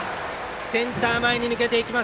センター前に抜けていきます。